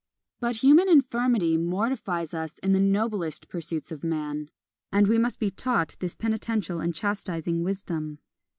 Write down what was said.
But human infirmity mortifies us in the noblest pursuits of man; and we must be taught this penitential and chastising wisdom.